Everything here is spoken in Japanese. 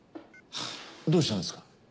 どうしたんですか？